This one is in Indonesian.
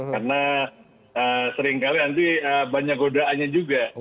karena seringkali nanti banyak godaannya juga